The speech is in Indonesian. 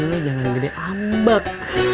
ini jangan gede ambak